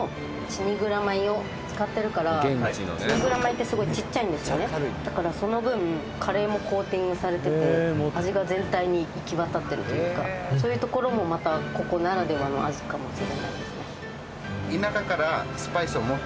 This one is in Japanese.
チニグラ米ってすごいちっちゃいんですよねだからその分カレーもコーティングされてて味が全体に行き渡ってるというかそういうところもまたここならではの味かもしれないですね